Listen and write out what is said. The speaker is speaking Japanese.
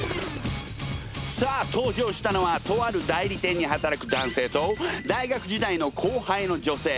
さあ登場したのはとある代理店に働く男性と大学時代の後輩の女性。